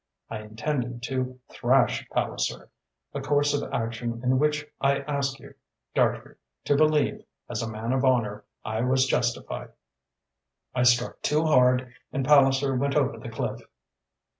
I intended to thrash Palliser, a course of action in which I ask you, Dartrey, to believe, as a man of honour, I was justified. I struck too hard and Palliser went over the cliff."